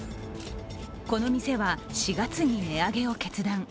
この店は、４月に値上げを決断。